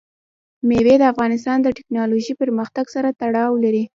مېوې د افغانستان د تکنالوژۍ پرمختګ سره تړاو لري.